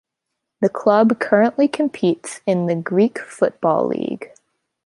The club currently competes in the Greek Football League.